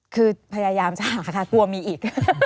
คือพยายามจะหาค่ะกลัวมีอีก